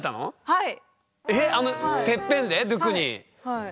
はい。